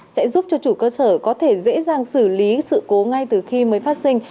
sẽ giúp cho chủ cơ sở có thể dễ dàng xử lý sự cố ngay từ khi mới phát sinh